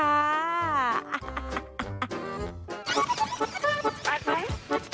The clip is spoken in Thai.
ไปไหม